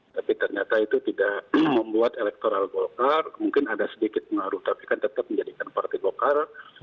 tapi ternyata itu tidak membuat elektoral golkar mungkin ada sedikit pengaruh tapi kan tetap menjadikan partai golkar